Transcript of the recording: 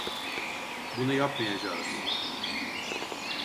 Bunu yapmayacağız.